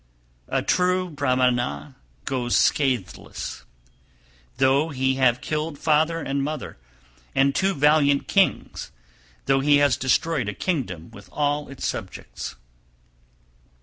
294. A true Brahmana goes scatheless, though he have killed father and mother, and two valiant kings, though he has destroyed a kingdom with all its subjects.